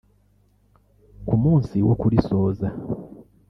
Ku munsi wo kurisoza